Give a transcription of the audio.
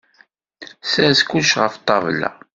Sers kullec ɣef ṭṭabla!